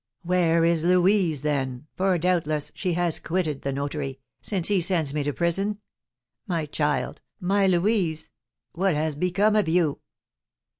"Where is Louise, then, for, doubtless, she has quitted the notary, since he sends me to prison? My child! My Louise! What has become of you?"